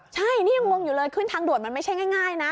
ใช่นี่ยังงงอยู่เลยขึ้นทางด่วนมันไม่ใช่ง่ายนะ